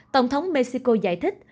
tổng thống mexico giải thích